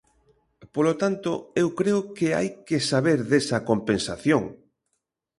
Polo tanto, eu creo que hai que saber desa compensación.